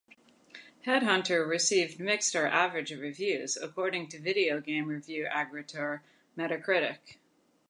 "Headhunter" received "mixed or average" reviews, according to video game review aggregator Metacritic.